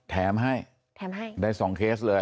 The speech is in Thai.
แถมให้ได้สองเคสเลย